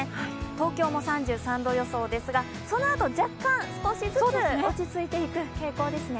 東京も３３度予想ですが、そのあと若干少しずつ落ち着いていく傾向ですね。